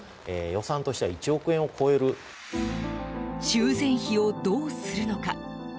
修繕費をどうするのか？